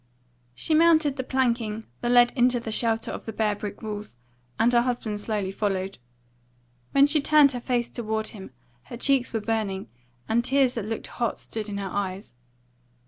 She mounted the planking that led into the shelter of the bare brick walls, and her husband slowly followed. When she turned her face toward him her cheeks were burning, and tears that looked hot stood in her eyes.